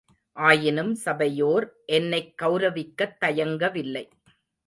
ஆயினும் சபையோர் என்னைக் கெளரவிக்கத் தயங்கவில்லை.